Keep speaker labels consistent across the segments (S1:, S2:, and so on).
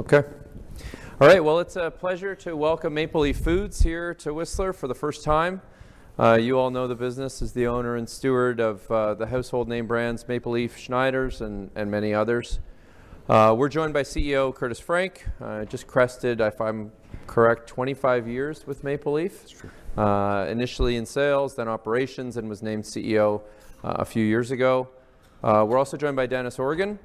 S1: Okay. All right, well, it's a pleasure to welcome Maple Leaf Foods here to Whistler for the first time. You all know the business as the owner and steward of the household name brands Maple Leaf, Schneiders, and many others. We're joined by CEO Curtis Frank, just crossed, if I'm correct, 25 years with Maple Leaf.
S2: That's true. Initially in sales, then operations, and was named CEO a few years ago. We're also joined by Dennis Organ,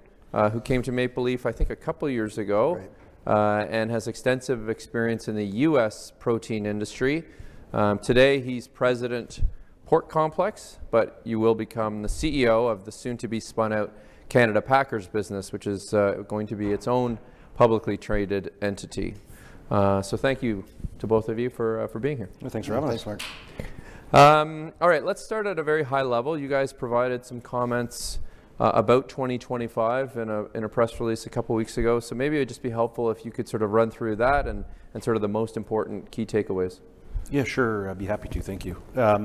S2: who came to Maple Leaf, I think, a couple of years ago, and has extensive experience in the U.S. protein industry. Today, he's President of the Pork Complex, but you will become the CEO of the soon-to-be spun-out Canada Packers business, which is going to be its own publicly traded entity. So thank you to both of you for being here. Thanks for having us. Thanks, Mark. All right, let's start at a very high level. You guys provided some comments about 2025 in a press release a couple of weeks ago. So maybe it would just be helpful if you could sort of run through that and sort of the most important key takeaways. Yeah, sure. I'd be happy to. Thank you. I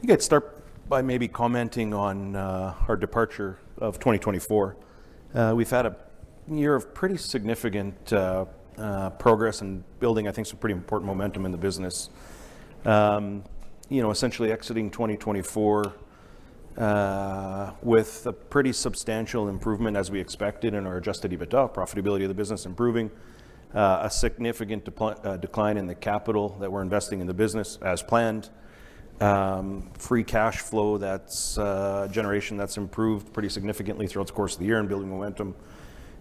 S2: think I'd start by maybe commenting on our performance in 2024. We've had a year of pretty significant progress and building, I think, some pretty important momentum in the business. Essentially exiting 2024 with a pretty substantial improvement, as we expected, in our Adjusted EBITDA, profitability of the business improving, a significant decline in the capital that we're investing in the business as planned, free cash flow generation that's improved pretty significantly throughout the course of the year and building momentum,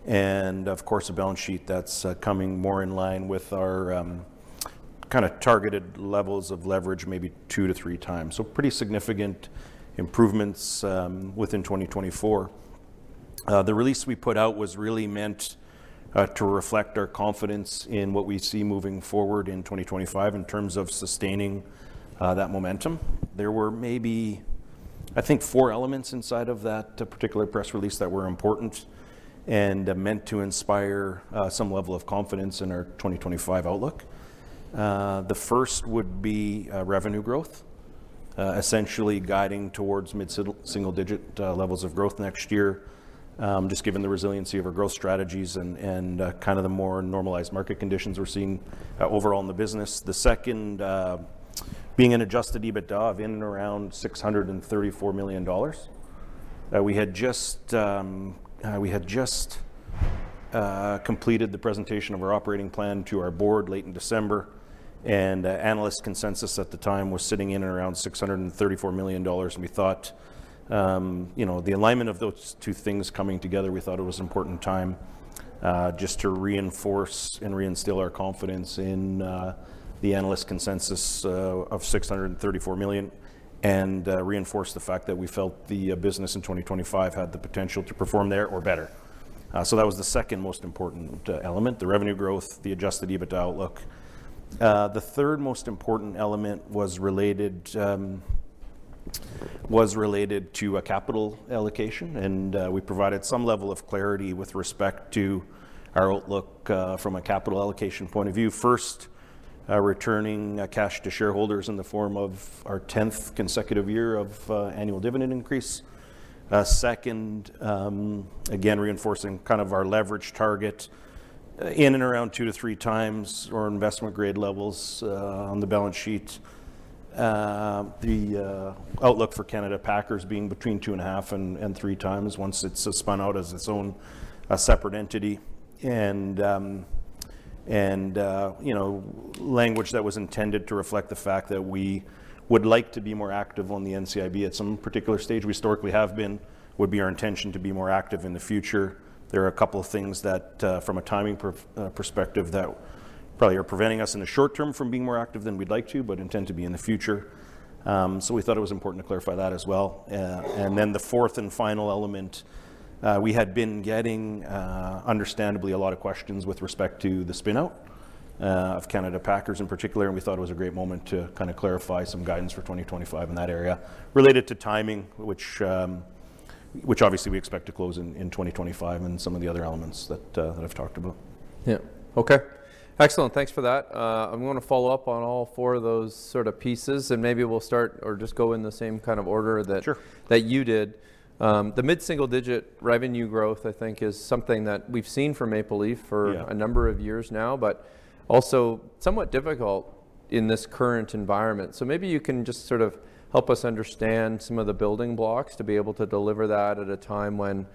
S2: and of course, a balance sheet that's coming more in line with our kind of targeted levels of leverage maybe two to three times. So pretty significant improvements within 2024. The release we put out was really meant to reflect our confidence in what we see moving forward in 2025 in terms of sustaining that momentum. There were maybe, I think, four elements inside of that particular press release that were important and meant to inspire some level of confidence in our 2025 outlook. The first would be revenue growth, essentially guiding towards mid-single-digit levels of growth next year, just given the resiliency of our growth strategies and kind of the more normalized market conditions we're seeing overall in the business. The second being an Adjusted EBITDA of in and around 634 million dollars. We had just completed the presentation of our operating plan to our board late in December, and analyst consensus at the time was sitting in and around 634 million dollars. And we thought the alignment of those two things coming together. We thought it was an important time just to reinforce and reinstill our confidence in the analyst consensus of 634 million and reinforce the fact that we felt the business in 2025 had the potential to perform there or better. So that was the second most important element, the revenue growth, the Adjusted EBITDA outlook. The third most important element was related to capital allocation, and we provided some level of clarity with respect to our outlook from a capital allocation point of view. First, returning cash to shareholders in the form of our 10th consecutive year of annual dividend increase. Second, again, reinforcing kind of our leverage target in and around two to three times our investment grade levels on the balance sheet. The outlook for Canada Packers being between two and a half and three times once it's spun out as its own separate entity, and language that was intended to reflect the fact that we would like to be more active on the NCIB at some particular stage we historically have been would be our intention to be more active in the future. There are a couple of things that, from a timing perspective, that probably are preventing us in the short term from being more active than we'd like to, but intend to be in the future, so we thought it was important to clarify that as well. And then the fourth and final element, we had been getting, understandably, a lot of questions with respect to the spinout of Canada Packers in particular, and we thought it was a great moment to kind of clarify some guidance for 2025 in that area related to timing, which obviously we expect to close in 2025, and some of the other elements that I've talked about. Yeah. Okay. Excellent. Thanks for that. I'm going to follow up on all four of those sort of pieces, and maybe we'll start or just go in the same kind of order that you did. The mid-single-digit revenue growth, I think, is something that we've seen from Maple Leaf for a number of years now, but also somewhat difficult in this current environment. So maybe you can just sort of help us understand some of the building blocks to be able to deliver that at a time when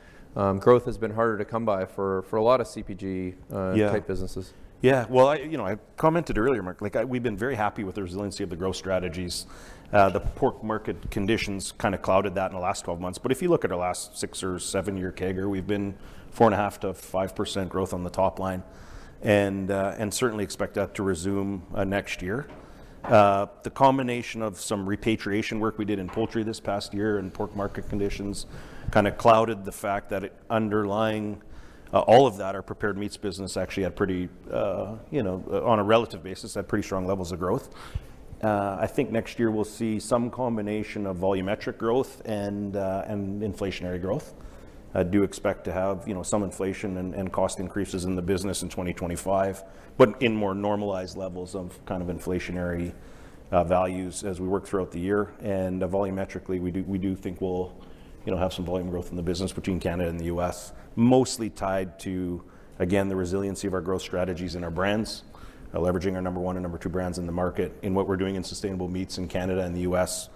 S2: growth has been harder to come by for a lot of CPG-type businesses. Yeah. Well, I commented earlier, Mark. We've been very happy with the resiliency of the growth strategies. The pork market conditions kind of clouded that in the last 12 months. But if you look at our last six or seven-year CAGR, we've been 4.5%-5% growth on the top line, and certainly expect that to resume next year. The combination of some repatriation work we did in poultry this past year and pork market conditions kind of clouded the fact that underlying all of that, our prepared meats business actually had pretty, on a relative basis, had pretty strong levels of growth. I think next year we'll see some combination of volumetric growth and inflationary growth. I do expect to have some inflation and cost increases in the business in 2025, but in more normalized levels of kind of inflationary values as we work throughout the year. Volumetrically, we do think we'll have some volume growth in the business between Canada and the U.S., mostly tied to, again, the resiliency of our growth strategies and our brands, leveraging our number one and number two brands in the market in what we're doing in sustainable meats in Canada and the U.S.,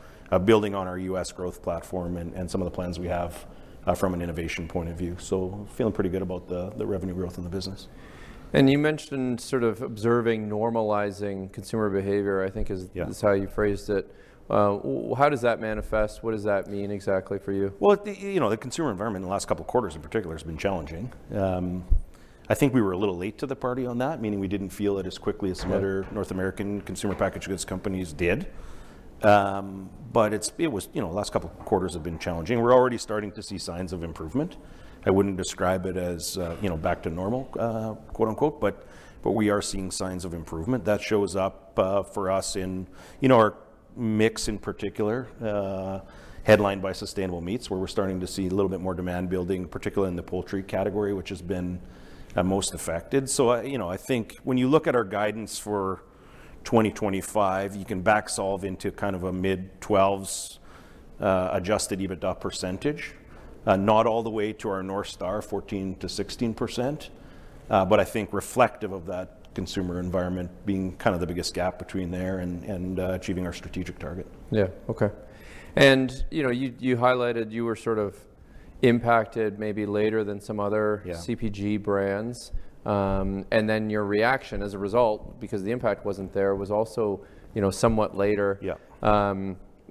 S2: building on our U.S. growth platform and some of the plans we have from an innovation point of view. Feeling pretty good about the revenue growth in the business. And you mentioned sort of observing normalizing consumer behavior, I think is how you phrased it. How does that manifest? What does that mean exactly for you? The consumer environment in the last couple of quarters in particular has been challenging. I think we were a little late to the party on that, meaning we didn't feel it as quickly as some other North American consumer packaged goods companies did. But the last couple of quarters have been challenging. We're already starting to see signs of improvement. I wouldn't describe it as "back to normal," but we are seeing signs of improvement. That shows up for us in our mix in particular, headlined by sustainable meats, where we're starting to see a little bit more demand building, particularly in the poultry category, which has been most affected. So I think when you look at our guidance for 2025, you can backsolve into kind of a mid-12s Adjusted EBITDA percentage, not all the way to our North Star, 14%-16%, but I think reflective of that consumer environment being kind of the biggest gap between there and achieving our strategic target. Yeah. Okay. And you highlighted you were sort of impacted maybe later than some other CPG brands. And then your reaction as a result, because the impact wasn't there, was also somewhat later.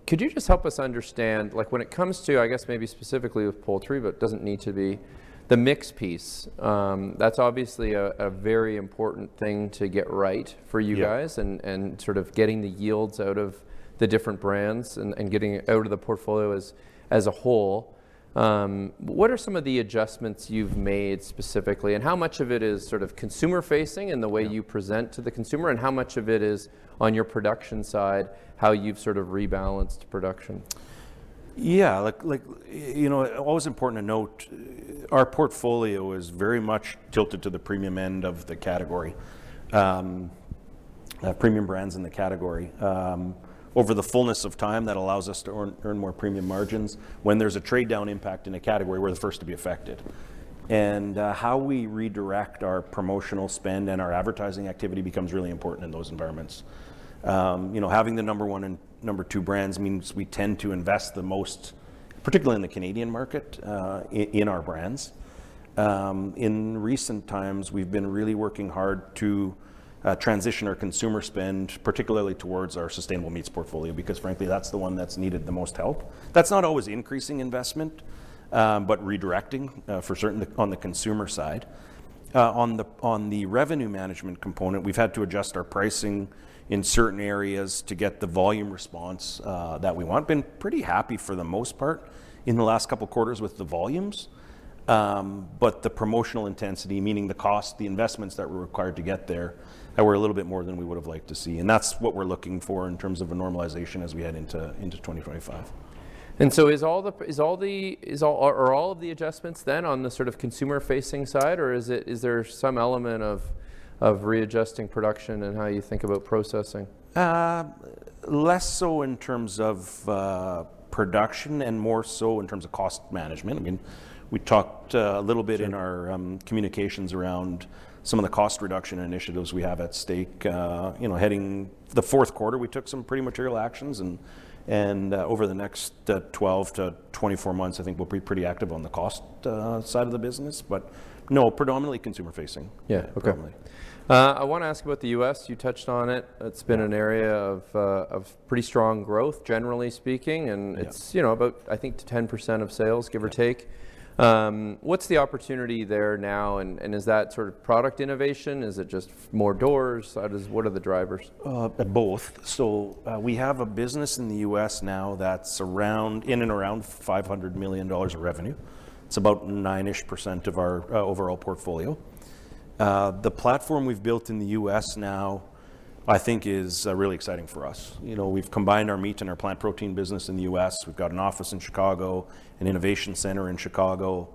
S2: Could you just help us understand, when it comes to, I guess maybe specifically with poultry, but it doesn't need to be, the mix piece, that's obviously a very important thing to get right for you guys and sort of getting the yields out of the different brands and getting out of the portfolio as a whole. What are some of the adjustments you've made specifically, and how much of it is sort of consumer-facing in the way you present to the consumer, and how much of it is on your production side, how you've sort of rebalanced production? Yeah. Always important to note, our portfolio is very much tilted to the premium end of the category, premium brands in the category. Over the fullness of time, that allows us to earn more premium margins. When there's a trade-down impact in a category, we're the first to be affected. And how we redirect our promotional spend and our advertising activity becomes really important in those environments. Having the number one and number two brands means we tend to invest the most, particularly in the Canadian market, in our brands. In recent times, we've been really working hard to transition our consumer spend, particularly towards our sustainable meats portfolio, because frankly, that's the one that's needed the most help. That's not always increasing investment, but redirecting on the consumer side. On the revenue management component, we've had to adjust our pricing in certain areas to get the volume response that we want. Been pretty happy for the most part in the last couple of quarters with the volumes, but the promotional intensity, meaning the cost, the investments that were required to get there, were a little bit more than we would have liked to see, and that's what we're looking for in terms of a normalization as we head into 2025. And so are all of the adjustments then on the sort of consumer-facing side, or is there some element of readjusting production and how you think about processing? Less so in terms of production and more so in terms of cost management. I mean, we talked a little bit in our communications around some of the cost reduction initiatives we have at stake. Heading the fourth quarter, we took some pretty material actions, and over the next 12-24 months, I think we'll be pretty active on the cost side of the business. But no, predominantly consumer-facing. Yeah. Okay. I want to ask about the U.S. You touched on it. It's been an area of pretty strong growth, generally speaking, and it's about, I think, 10% of sales, give or take. What's the opportunity there now, and is that sort of product innovation? Is it just more doors? What are the drivers? Both. So we have a business in the U.S. now that's in and around $500 million of revenue. It's about nine-ish percent of our overall portfolio. The platform we've built in the U.S. now, I think, is really exciting for us. We've combined our meat and our plant protein business in the U.S. We've got an office in Chicago, an innovation center in Chicago.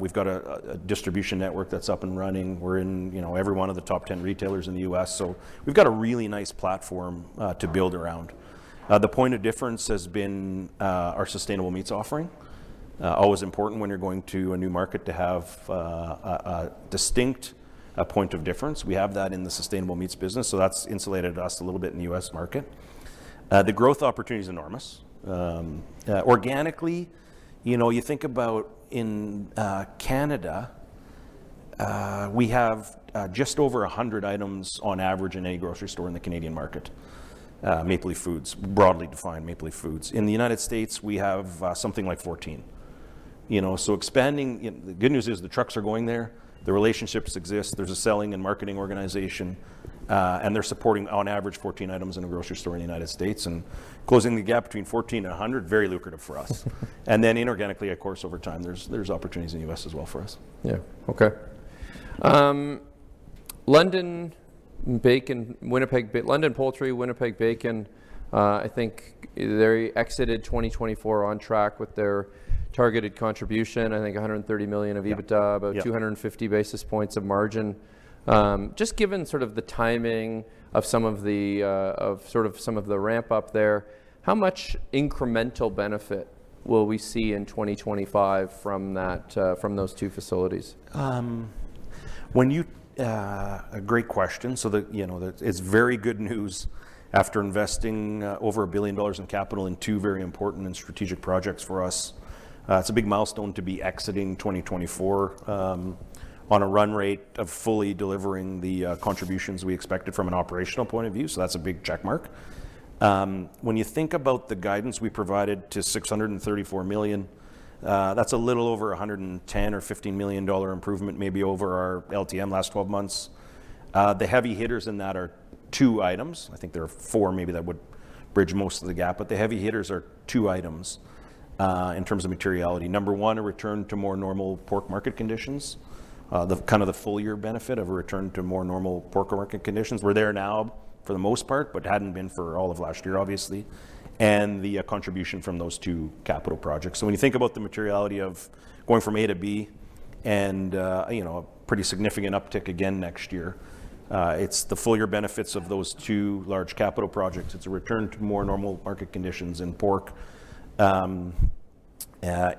S2: We've got a distribution network that's up and running. We're in every one of the top 10 retailers in the U.S. So we've got a really nice platform to build around. The point of difference has been our sustainable meats offering. Always important when you're going to a new market to have a distinct point of difference. We have that in the sustainable meats business, so that's insulated us a little bit in the U.S. market. The growth opportunity is enormous. Organically, you think about in Canada. We have just over 100 items on average in any grocery store in the Canadian market, Maple Leaf Foods, broadly defined Maple Leaf Foods. In the United States, we have something like 14, so expanding, the good news is the trucks are going there. The relationships exist. There's a selling and marketing organization, and they're supporting on average 14 items in a grocery store in the United States. And closing the gap between 14 and 100 is very lucrative for us, and then inorganically, of course, over time, there's opportunities in the U.S. as well for us. Yeah. Okay. London, bacon, Winnipeg, London, poultry, Winnipeg, bacon. I think they exited 2024 on track with their targeted contribution. I think $130 million of EBITDA, about 250 basis points of margin. Just given sort of the timing of sort of some of the ramp-up there, how much incremental benefit will we see in 2025 from those two facilities? Great question, so it's very good news after investing over a billion dollars in capital in two very important and strategic projects for us. It's a big milestone to be exiting 2024 on a run rate of fully delivering the contributions we expected from an operational point of view, so that's a big checkmark. When you think about the guidance we provided to $634 million, that's a little over $110 or $15 million improvement, maybe over our LTM last 12 months. The heavy hitters in that are two items. I think there are four maybe that would bridge most of the gap, but the heavy hitters are two items in terms of materiality. Number one, a return to more normal pork market conditions, kind of the full year benefit of a return to more normal pork market conditions. We're there now for the most part, but hadn't been for all of last year, obviously, and the contribution from those two capital projects. So when you think about the materiality of going from A to B and a pretty significant uptick again next year, it's the full year benefits of those two large capital projects. It's a return to more normal market conditions in pork.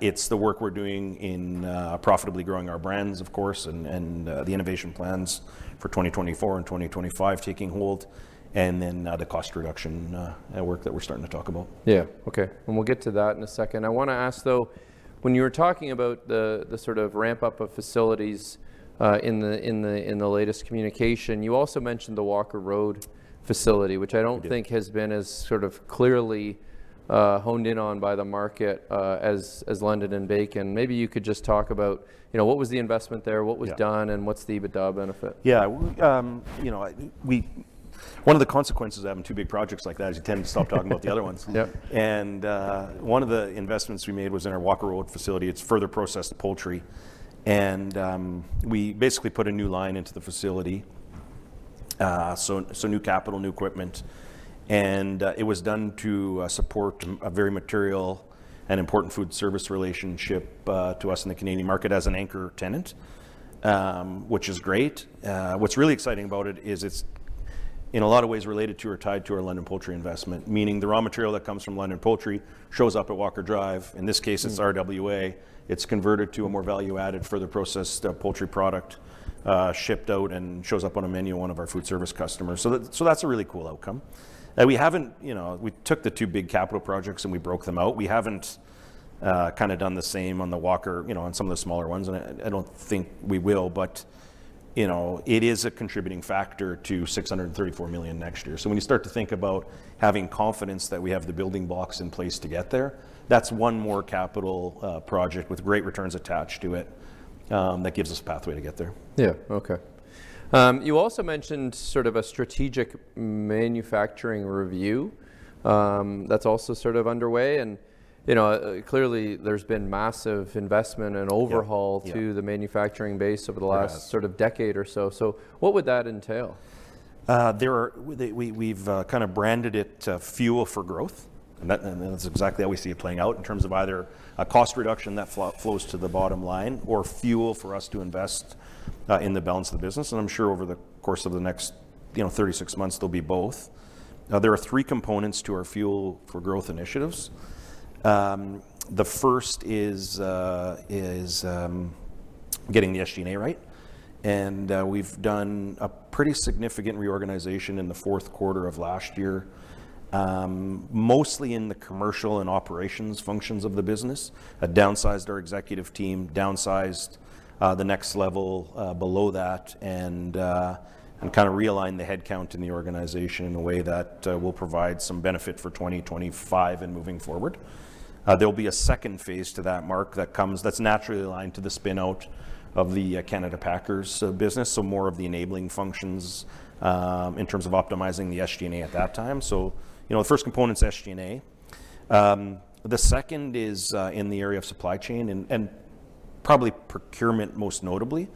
S2: It's the work we're doing in profitably growing our brands, of course, and the innovation plans for 2024 and 2025 taking hold, and then the cost reduction work that we're starting to talk about. Yeah. Okay. And we'll get to that in a second. I want to ask, though, when you were talking about the sort of ramp-up of facilities in the latest communication, you also mentioned the Walker Road facility, which I don't think has been as sort of clearly honed in on by the market as London and bacon. Maybe you could just talk about what was the investment there, what was done, and what's the EBITDA benefit? Yeah. One of the consequences of having two big projects like that is you tend to stop talking about the other ones. And one of the investments we made was in our Walker Drive facility. It's further processed poultry. And we basically put a new line into the facility, so new capital, new equipment. And it was done to support a very material and important foodservice relationship to us in the Canadian market as an anchor tenant, which is great. What's really exciting about it is it's in a lot of ways related to or tied to our London poultry investment, meaning the raw material that comes from London poultry shows up at Walker Drive. In this case, it's RWA. It's converted to a more value-added further processed poultry product shipped out and shows up on a menu of one of our foodservice customers. So that's a really cool outcome. We took the two big capital projects and we broke them out. We haven't kind of done the same on the Walker, on some of the smaller ones. And I don't think we will, but it is a contributing factor to 634 million next year. So when you start to think about having confidence that we have the building blocks in place to get there, that's one more capital project with great returns attached to it that gives us a pathway to get there. Yeah. Okay. You also mentioned sort of a strategic manufacturing review that's also sort of underway. And clearly, there's been massive investment and overhaul to the manufacturing base over the last sort of decade or so. So what would that entail? We've kind of branded it Fuel for Growth, and that's exactly how we see it playing out in terms of either a cost reduction that flows to the bottom line or fuel for us to invest in the balance of the business. And I'm sure over the course of the next 36 months, there'll be both. There are three components to our Fuel for Growth initiatives. The first is getting the SG&A right, and we've done a pretty significant reorganization in the fourth quarter of last year, mostly in the commercial and operations functions of the business. Downsized our executive team, downsized the next level below that, and kind of realigned the headcount in the organization in a way that will provide some benefit for 2025 and moving forward. There'll be a second phase to that, Mark. That's naturally aligned to the spinout of the Canada Packers business, so more of the enabling functions in terms of optimizing the SG&A at that time, so the first component's SG&A. The second is in the area of supply chain and probably procurement most notably.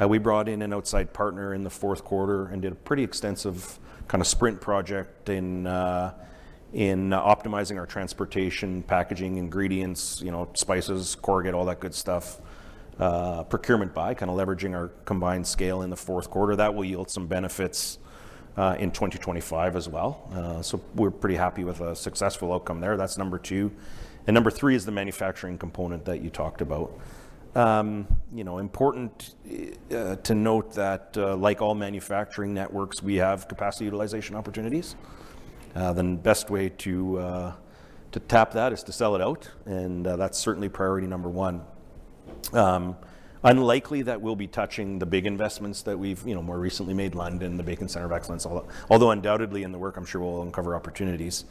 S2: We brought in an outside partner in the fourth quarter and did a pretty extensive kind of sprint project in optimizing our transportation, packaging, ingredients, spices, corrugate, all that good stuff. Procurement buy, kind of leveraging our combined scale in the fourth quarter. That will yield some benefits in 2025 as well, so we're pretty happy with a successful outcome there. That's number two, and number three is the manufacturing component that you talked about. Important to note that like all manufacturing networks, we have capacity utilization opportunities. The best way to tap that is to sell it out. And that's certainly priority number one. Unlikely that we'll be touching the big investments that we've more recently made, London, the Bacon Centre of Excellence, although undoubtedly in the work, I'm sure we'll uncover opportunities.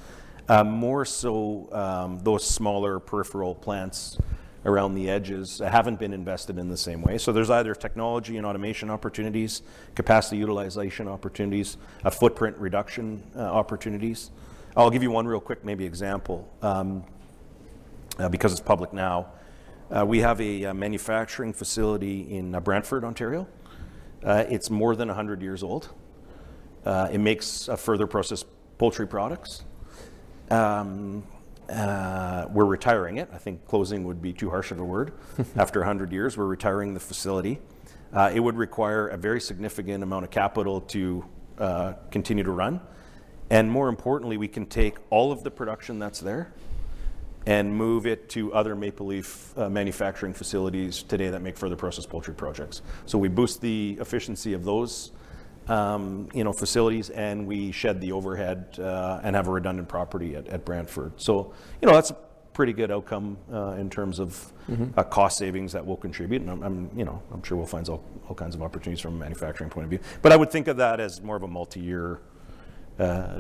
S2: More so those smaller peripheral plants around the edges haven't been invested in the same way. So there's either technology and automation opportunities, capacity utilization opportunities, footprint reduction opportunities. I'll give you one real quick maybe example because it's public now. We have a manufacturing facility in Brantford, Ontario. It's more than 100 years old. It makes further processed poultry products. We're retiring it. I think closing would be too harsh of a word. After 100 years, we're retiring the facility. It would require a very significant amount of capital to continue to run. And more importantly, we can take all of the production that's there and move it to other Maple Leaf manufacturing facilities today that make further processed poultry products. So we boost the efficiency of those facilities, and we shed the overhead and have a redundant property at Brantford. So that's a pretty good outcome in terms of cost savings that will contribute. And I'm sure we'll find all kinds of opportunities from a manufacturing point of view. But I would think of that as more of a multi-year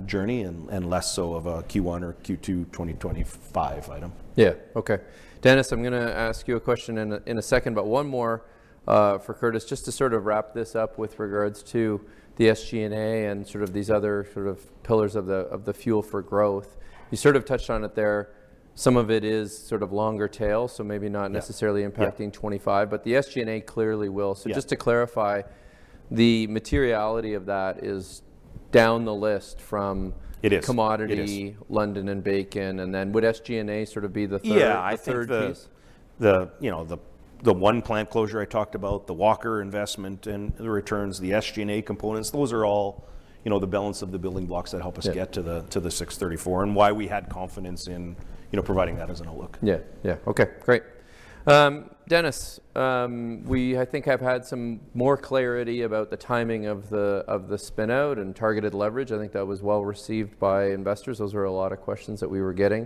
S2: journey and less so of a Q1 or Q2 2025 item. Yeah. Okay. Dennis, I'm going to ask you a question in a second, but one more for Curtis just to sort of wrap this up with regards to the SG&A and sort of these other sort of pillars of the fuel for growth. You sort of touched on it there. Some of it is sort of longer tail, so maybe not necessarily impacting '25, but the SG&A clearly will. So just to clarify, the materiality of that is down the list from commodity, London, and bacon. And then would SG&A sort of be the third piece?
S3: Yeah. I think the one plant closure I talked about, the Walker investment and the returns, the SG&A components, those are all the balance of the building blocks that help us get to the 634 and why we had confidence in providing that as an outlook. Yeah. Yeah. Okay. Great. Dennis, we, I think, have had some more clarity about the timing of the spinout and targeted leverage. I think that was well received by investors. Those were a lot of questions that we were getting.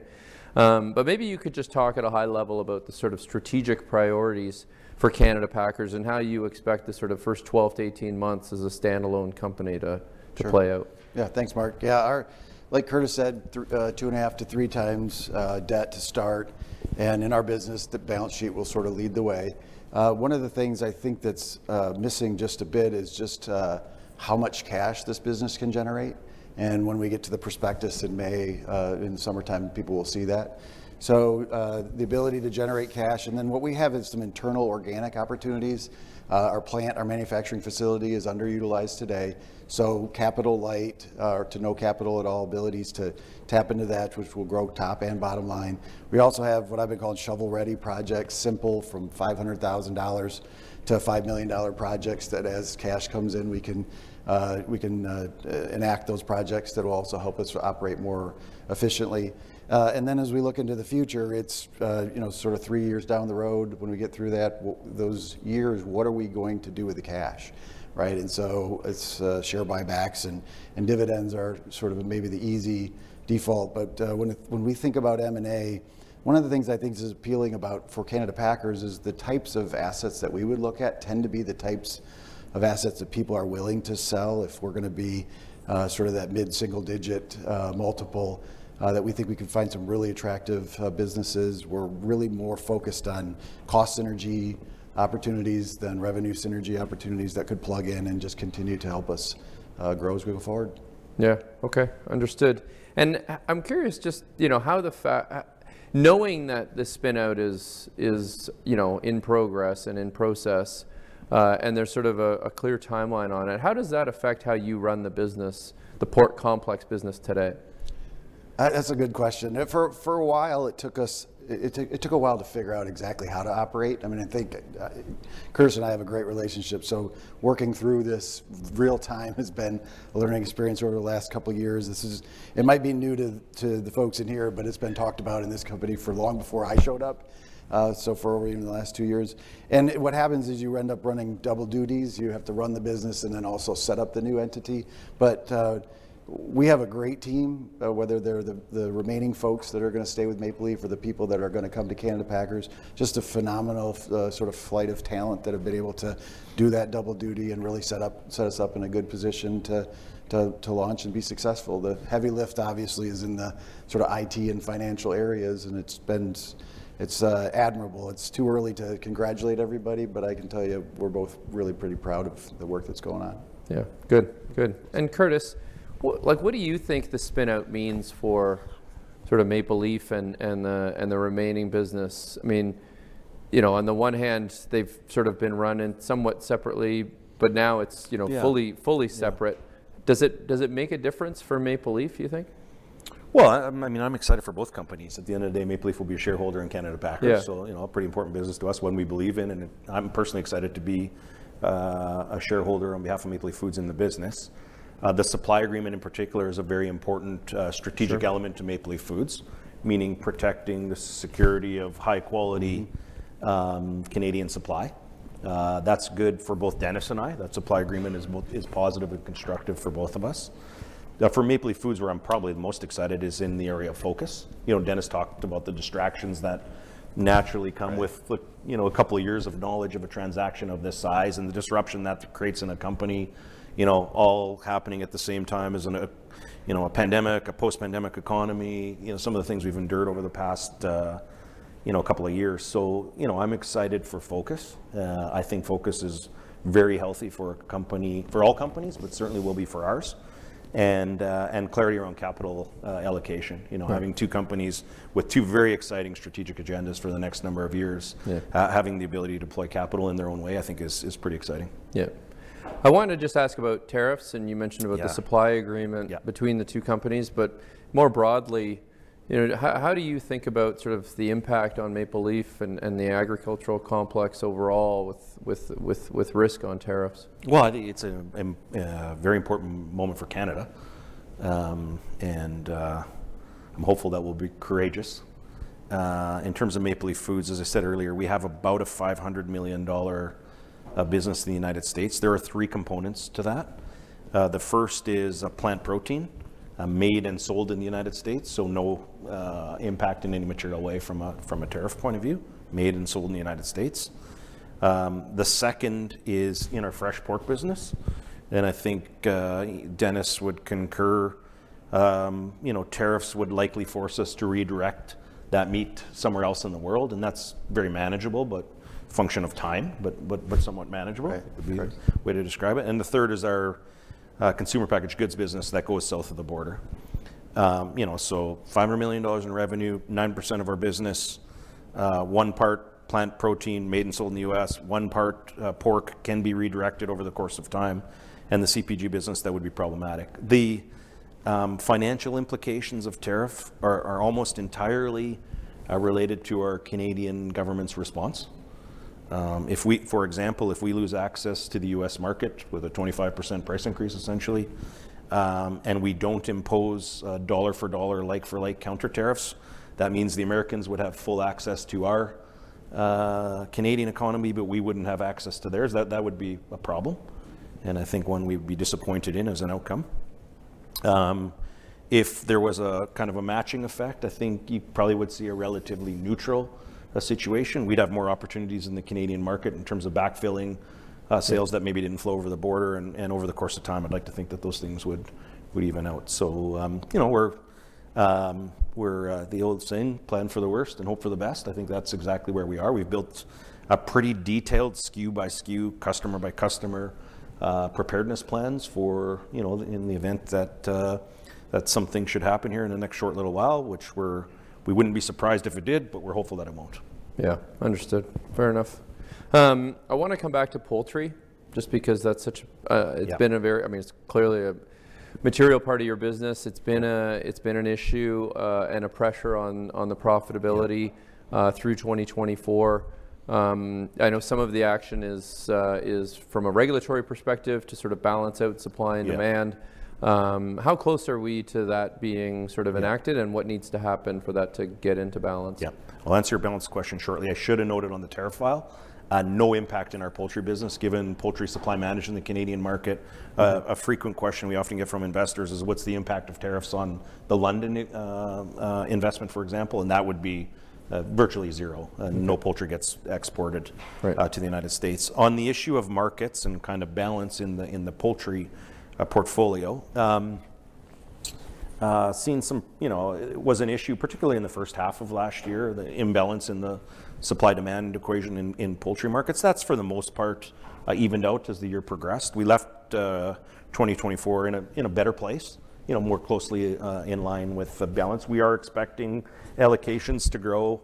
S3: But maybe you could just talk at a high level about the sort of strategic priorities for Canada Packers and how you expect the sort of first 12-18 months as a standalone company to play out. Sure. Yeah. Thanks, Mark. Yeah. Like Curtis said, two and a half to three times debt to start. And in our business, the balance sheet will sort of lead the way. One of the things I think that's missing just a bit is just how much cash this business can generate. And when we get to the prospectus in May, in summertime, people will see that. So the ability to generate cash. And then what we have is some internal organic opportunities. Our manufacturing facility is underutilized today. So capital light to no capital at all abilities to tap into that, which will grow top and bottom line. We also have what I've been calling shovel-ready projects, simple from 500,000-5 million dollars projects that as cash comes in, we can enact those projects that will also help us operate more efficiently. And then as we look into the future, it's sort of three years down the road. When we get through that, those years, what are we going to do with the cash? Right? And so it's share buybacks and dividends are sort of maybe the easy default. But when we think about M&A, one of the things I think is appealing about for Canada Packers is the types of assets that we would look at tend to be the types of assets that people are willing to sell. If we're going to be sort of that mid-single digit multiple that we think we can find some really attractive businesses, we're really more focused on cost synergy opportunities than revenue synergy opportunities that could plug in and just continue to help us grow as we go forward. Yeah. Okay. Understood. And I'm curious just knowing that the spinout is in progress and in process, and there's sort of a clear timeline on it, how does that affect how you run the business, the Pork Complex business today? That's a good question. For a while, it took a while to figure out exactly how to operate. I mean, I think Curtis and I have a great relationship. So working through this real-time has been a learning experience over the last couple of years. This is, it might be new to the folks in here, but it's been talked about in this company long before I showed up, so for over the last two years. And what happens is you end up running double duties. You have to run the business and then also set up the new entity. But we have a great team, whether they're the remaining folks that are going to stay with Maple Leaf or the people that are going to come to Canada Packers, just a phenomenal sort of flight of talent that have been able to do that double duty and really set us up in a good position to launch and be successful. The heavy lift, obviously, is in the sort of IT and financial areas, and it's been admirable. It's too early to congratulate everybody, but I can tell you we're both really pretty proud of the work that's going on. Yeah. Good. Good. And Curtis, what do you think the spinout means for sort of Maple Leaf and the remaining business? I mean, on the one hand, they've sort of been running somewhat separately, but now it's fully separate. Does it make a difference for Maple Leaf, do you think?
S2: Well, I mean, I'm excited for both companies. At the end of the day, Maple Leaf will be a shareholder in Canada Packers. So a pretty important business to us, one we believe in. And I'm personally excited to be a shareholder on behalf of Maple Leaf Foods in the business. The supply agreement in particular is a very important strategic element to Maple Leaf Foods, meaning protecting the security of high-quality Canadian supply. That's good for both Dennis and I. That supply agreement is positive and constructive for both of us. For Maple Leaf Foods, where I'm probably the most excited is in the area of focus. Dennis talked about the distractions that naturally come with a couple of years of knowledge of a transaction of this size and the disruption that creates in a company, all happening at the same time as a pandemic, a post-pandemic economy, some of the things we've endured over the past couple of years, so I'm excited for focus. I think focus is very healthy for all companies, but certainly will be for ours, and clarity around capital allocation, having two companies with two very exciting strategic agendas for the next number of years, having the ability to deploy capital in their own way, I think is pretty exciting. Yeah. I wanted to just ask about tariffs, and you mentioned about the supply agreement between the two companies, but more broadly, how do you think about sort of the impact on Maple Leaf and the agricultural complex overall with risk on tariffs? I think it's a very important moment for Canada. I'm hopeful that we'll be courageous. In terms of Maple Leaf Foods, as I said earlier, we have about a $500 million business in the United States. There are three components to that. The first is a plant protein made and sold in the United States, so no impact in any material way from a tariff point of view, made and sold in the United States. The second is in our fresh pork business. I think Dennis would concur tariffs would likely force us to redirect that meat somewhere else in the world. That's very manageable, but function of time, but somewhat manageable, would be a way to describe it. The third is our consumer-packaged goods business that goes south of the border. 500 million dollars in revenue, 9% of our business, one part plant protein made and sold in the U.S., one part pork can be redirected over the course of time. And the CPG business, that would be problematic. The financial implications of tariff are almost entirely related to our Canadian government's response. For example, if we lose access to the U.S. market with a 25% price increase, essentially, and we don't impose dollar-for-dollar, like-for-like counter tariffs, that means the Americans would have full access to our Canadian economy, but we wouldn't have access to theirs. That would be a problem. And I think one we'd be disappointed in as an outcome. If there was a kind of a matching effect, I think you probably would see a relatively neutral situation. We'd have more opportunities in the Canadian market in terms of backfilling sales that maybe didn't flow over the border. And over the course of time, I'd like to think that those things would even out. So, there's the old saying, plan for the worst and hope for the best. I think that's exactly where we are. We've built a pretty detailed SKU by SKU, customer by customer preparedness plans for, in the event that something should happen here in the next short little while, which we wouldn't be surprised if it did, but we're hopeful that it won't. Yeah. Understood. Fair enough. I want to come back to poultry just because that's such a, it's been a very, I mean, it's clearly a material part of your business. It's been an issue and a pressure on the profitability through 2024. I know some of the action is from a regulatory perspective to sort of balance out supply and demand. How close are we to that being sort of enacted and what needs to happen for that to get into balance? Yeah. I'll answer your balance question shortly. I should have noted on the tariff file: no impact in our poultry business given poultry supply management in the Canadian market. A frequent question we often get from investors is what's the impact of tariffs on the London investment, for example, and that would be virtually zero. No poultry gets exported to the United States. On the issue of markets and kind of balance in the poultry portfolio, seeing some was an issue, particularly in the first half of last year, the imbalance in the supply-demand equation in poultry markets. That's for the most part evened out as the year progressed. We left 2024 in a better place, more closely in line with the balance. We are expecting allocations to grow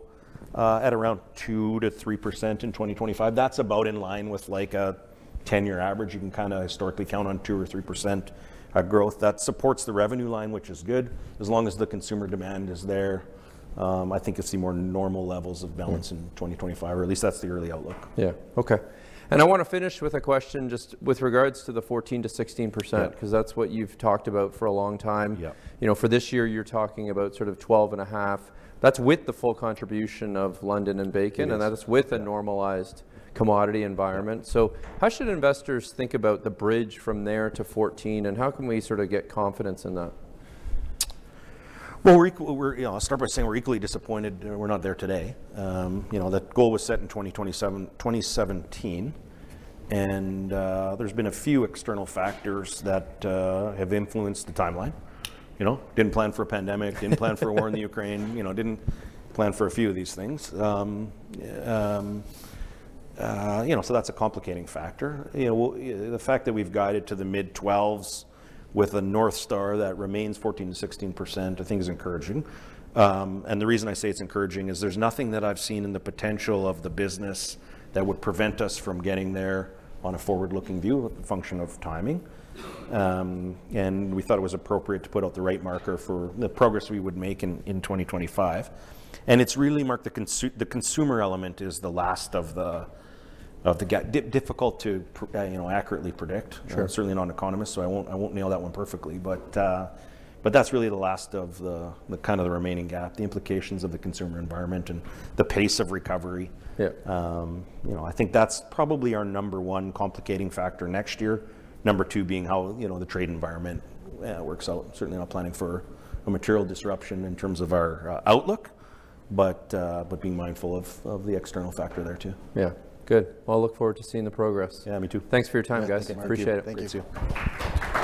S2: at around 2%-3% in 2025. That's about in line with like a 10-year average. You can kind of historically count on 2% or 3% growth. That supports the revenue line, which is good. As long as the consumer demand is there, I think you'll see more normal levels of balance in 2025, or at least that's the early outlook. Yeah. Okay. And I want to finish with a question just with regards to the 14% to 16% because that's what you've talked about for a long time. For this year, you're talking about sort of 12.5%. That's with the full contribution of London and bacon, and that's with a normalized commodity environment. So how should investors think about the bridge from there to 14%, and how can we sort of get confidence in that? I'll start by saying we're equally disappointed we're not there today. That goal was set in 2017, and there's been a few external factors that have influenced the timeline. Didn't plan for a pandemic, didn't plan for a war in the Ukraine, didn't plan for a few of these things. So that's a complicating factor. The fact that we've guided to the mid-12s with a North Star that remains 14%-16%, I think is encouraging. The reason I say it's encouraging is there's nothing that I've seen in the potential of the business that would prevent us from getting there on a forward-looking view function of timing. We thought it was appropriate to put out the right marker for the progress we would make in 2025. It's really marked the consumer element is the last of the difficult to accurately predict. I'm certainly not an economist, so I won't nail that one perfectly. But that's really the last of the kind of the remaining gap, the implications of the consumer environment and the pace of recovery. I think that's probably our number one complicating factor next year, number two being how the trade environment works out. Certainly, not planning for a material disruption in terms of our outlook, but being mindful of the external factor there too. Yeah. Good. Well, I look forward to seeing the progress. Yeah, me too. Thanks for your time, guys. Appreciate it. Thank you.